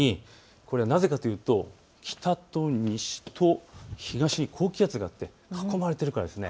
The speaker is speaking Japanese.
なぜかというと、北と西と東に高気圧があって囲まれているからです。